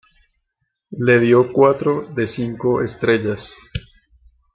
Le dio cuatro de cinco estrellas.